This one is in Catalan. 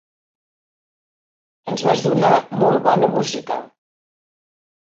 Ens vas donar molt bona música.